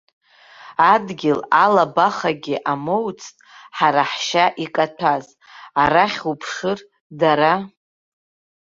Адгьыл алабахагьы амоуцт ҳара ҳшьа икаҭәаз, арахь уԥшыр, дара.